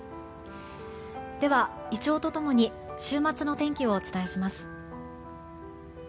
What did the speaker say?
では、イチョウと共に週末の天気をお伝えします。